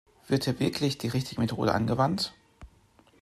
Wird hier wirklich die richtige Methode angewandt?